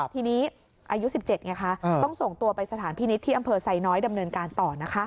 ทีนี้อายุ๑๗ไงคะต้องส่งตัวไปสถานพินิษฐ์ที่อำเภอไซน้อยดำเนินการต่อนะคะ